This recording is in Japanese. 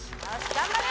頑張れ！